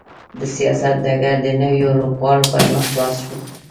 د سیاست ډګر د نویو لوبغاړو پر مخ خلاص شو.